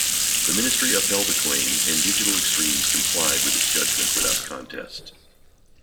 The Ministry upheld the claim and Digital Extremes complied with its judgment without contest.